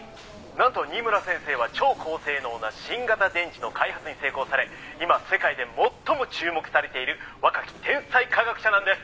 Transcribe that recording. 「なんと新村先生は超高性能な新型電池の開発に成功され今世界で最も注目されている若き天才科学者なんです！」